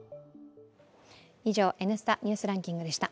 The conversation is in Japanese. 以上「Ｎスタ・ニュースランキング」でした。